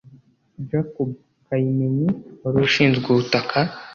Jacob Kaimenyi wari ushinzwe ubutaka